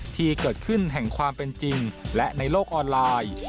ที่เกิดขึ้นแห่งความเป็นจริงและในโลกออนไลน์